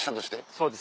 そうです。